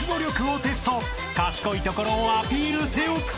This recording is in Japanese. ［賢いところをアピールせよ］